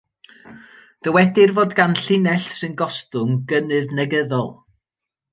Dywedir fod gan linell sy'n gostwng gynnydd negyddol.